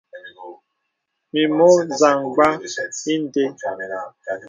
Mì mɔ̄ zàmgbā ìndē.